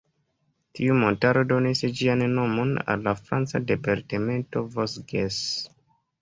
Tiu montaro donis ĝian nomon al la franca departemento Vosges.